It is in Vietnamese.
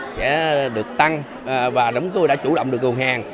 đã được tăng và chúng tôi đã chủ động được cầu hàng